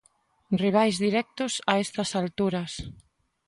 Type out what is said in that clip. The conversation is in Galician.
Rivais directos a estas alturas.